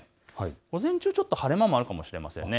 午前中、ちょっと晴れ間もあるかもしれません。